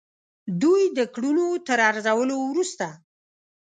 دوی د کړنو تر ارزولو وروسته.